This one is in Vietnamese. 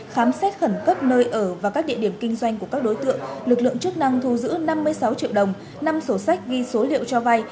khám xét khẩn cấp nơi ở và các địa điểm kinh doanh của các đối tượng lực lượng chức năng thu giữ năm mươi sáu triệu đồng năm sổ sách ghi số liệu cho vay